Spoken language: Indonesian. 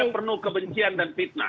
yang penuh kebencian dan fitnah